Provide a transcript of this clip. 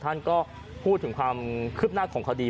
ท่านก็พูดถึงความคืบหน้าของคดี